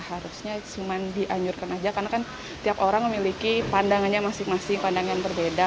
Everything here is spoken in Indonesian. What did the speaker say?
harusnya cuma dianjurkan aja karena kan tiap orang memiliki pandangannya masing masing pandangan berbeda